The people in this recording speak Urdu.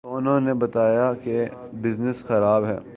تو انہوں نے بتایا کہ بزنس خراب ہے۔